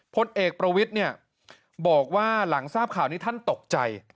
พลเอกประวิทย์เนี่ยบอกว่าหลังทราบข่าวนี้ท่านตกใจ